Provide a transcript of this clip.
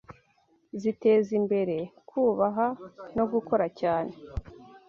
ziteza imbere kubaha no gukora cyane